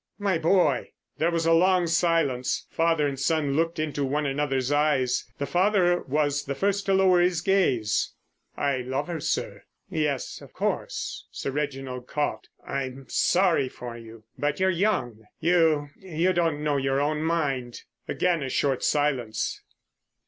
"My boy!" There was a long silence. Father and son looked into one another's eyes. The father was the first to lower his gaze. "I love her, sir." "Yes, of course." Sir Reginald coughed. "I'm sorry for you. But you're young. You—you don't know your own mind." Again a short silence.